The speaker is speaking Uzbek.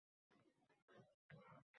Sukut qolsa yuraqda